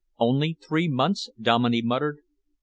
"Only three months," Dominey muttered.